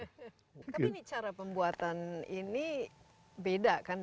tapi ini cara pembuatan ini beda kan